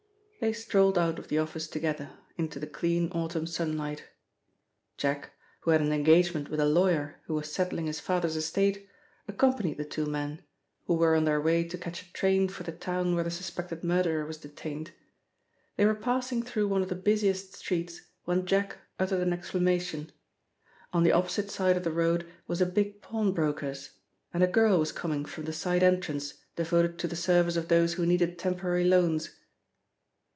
They strolled out of the office together, into the clean autumn sunlight. Jack, who had an engagement with a lawyer who was settling his father's estate, accompanied the two men, who were on their way to catch a train for the town where the suspected murderer was detained. They were passing through one of the busiest streets when Jack uttered an exclamation. On the opposite side of the road was a big pawnbroker's, and a girl was coming from the side entrance devoted to the service of those who needed temporary loans.